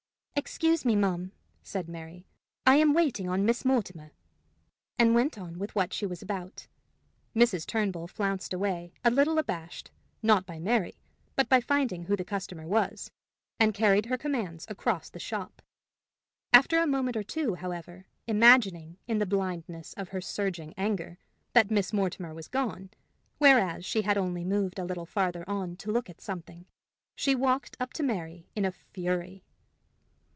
"Excuse me, ma'am," said Mary, "I am waiting on Miss Mortimer," and went on with what she was about. Mrs. Turnbull flounced away, a little abashed, not by Mary, but by finding who the customer was, and carried her commands across the shop. After a moment or two, however, imagining, in the blindness of her surging anger, that Miss Mortimer was gone, whereas she had only moved a little farther on to look at something, she walked up to Mary in a fury.